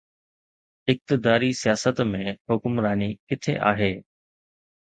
اقتداري سياست ۾ حڪمراني ڪٿي آهي؟